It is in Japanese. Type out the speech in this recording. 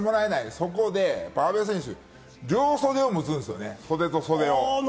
そこで、阿部選手、両袖を持つんですよね。